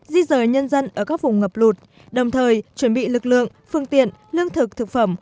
di rời nhân dân ở các vùng ngập lụt đồng thời chuẩn bị lực lượng phương tiện lương thực thực phẩm